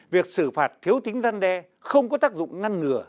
việc xử phạt thiếu tính răn đe không có tác dụng ngăn ngừa